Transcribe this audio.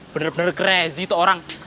bener bener krezy itu orang